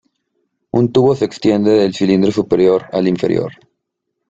Un tubo se extiende del cilindro superior al inferior.